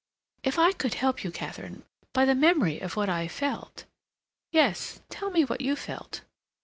"If I could help you, Katharine, by the memory of what I felt—" "Yes, tell me what you felt."